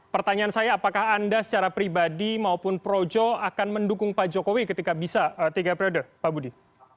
pertanyaan saya apakah anda secara pribadi maupun projo akan mendukung pak jokowi ketika bisa tiga periode pak budi